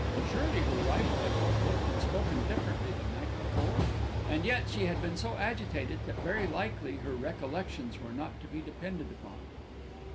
Surely her rival had both looked and spoken differently the night before? And yet, she had been so agitated that very likely her recollections were not to be depended upon.